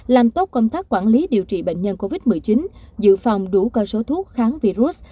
làm tốt công tác quản lý điều trị bệnh nhân covid một mươi chín dự phòng đủ cơ số thuốc kháng virus